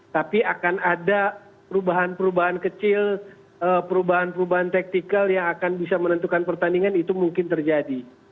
tapi akan ada perubahan perubahan kecil perubahan perubahan taktikal yang akan bisa menentukan pertandingan itu mungkin terjadi